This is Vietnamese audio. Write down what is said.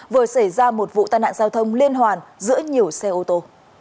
vừa xảy ra một vụ tai nạn giao thông liên hoàn giữa nhiều xe ô tô